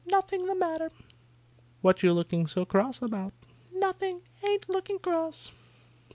"Nothing the matter." "What you looking so cross about?" "Nothing; ain't looking cross."